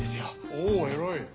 おぉ偉い。